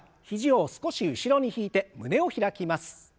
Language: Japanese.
肘を少し後ろに引いて胸を開きます。